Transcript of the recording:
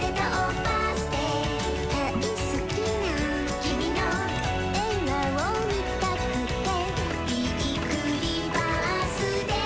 「だいすきなきみの」「えがおみたくて」「びっくりバースデー！」